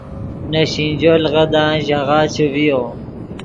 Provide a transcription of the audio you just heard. نے سینجو لیغدان ژاغہ چے ڤیو